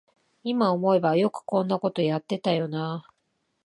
いま思えばよくこんなことやってたよなあ